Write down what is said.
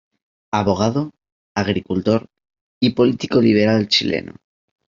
Abogado, agricultor y político liberal chileno.